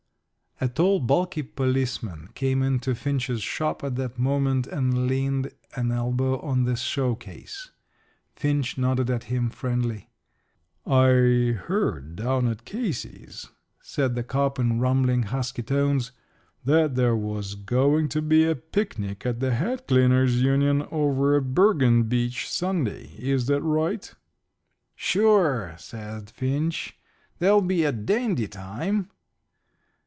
A tall, bulky policeman came into Finch's shop at that moment and leaned an elbow on the showcase. Finch nodded at him friendly. "I heard down at Casey's," said the cop, in rumbling, husky tones, "that there was going to be a picnic of the Hat Cleaners' Union over at Bergen Beach, Sunday. Is that right?" "Sure," said Finch. "There'll be a dandy time."